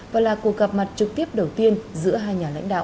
và là cuộc gặp mặt trực tiếp đầu tiên giữa hai nhà lãnh đạo